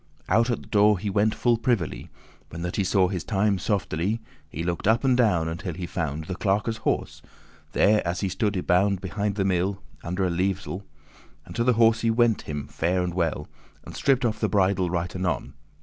Out at the door he went full privily, When that he saw his time, softely. He looked up and down, until he found The clerkes' horse, there as he stood y bound Behind the mill, under a levesell:* *arbour<11> And to the horse he went him fair and well, And stripped off the bridle right anon.